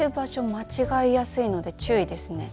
間違いやすいので注意ですね。